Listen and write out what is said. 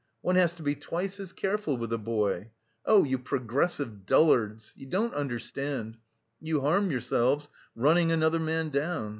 One has to be twice as careful with a boy. Oh, you progressive dullards! You don't understand. You harm yourselves running another man down....